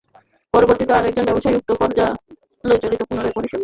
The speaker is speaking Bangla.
পরবর্তীতে আরেকজন ব্যবহারকারী উক্ত পর্যালোচনাটি পুনরায় নিরীক্ষণ করবেন।